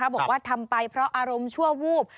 บอกว่าทำไปเพราะอารมณ์ชั่ววูบ